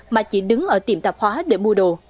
mà chỉ đứng ở tiệm tạp hóa để mua đồ